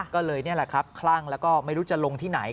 ก็เลยนี่แหละครับคลั่งแล้วก็ไม่รู้จะลงที่ไหน